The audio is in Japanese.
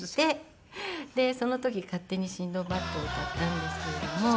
その時『勝手にシンドバッド』を歌ったんですけれども。